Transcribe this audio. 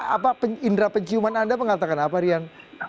apa indera penciuman anda mengatakan apa rian